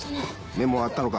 メモはあったのか？